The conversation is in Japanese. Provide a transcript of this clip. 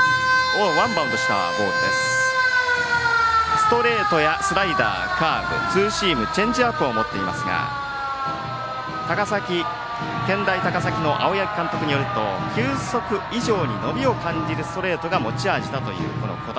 ストレートやスライダーカーブ、ツーシームチェンジアップを持っていますが健大高崎の青柳監督によると球速以上に伸びを感じるストレートが持ち味という小玉。